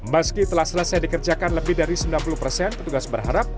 meski telah selesai dikerjakan lebih dari sembilan puluh persen petugas berharap